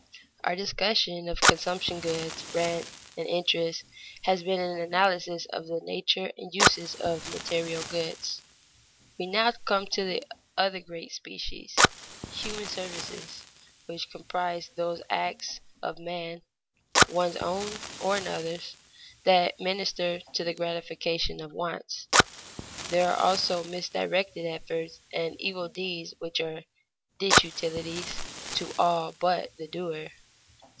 _ Our discussion of consumption goods, rent, and interest has been an analysis of the nature and uses of material goods. We now come to the other great species, human services, which comprise those acts of men (one's own or other's) that minister to the gratification of wants. There are also misdirected efforts, and evil deeds which are "disutilities" to all but the doer.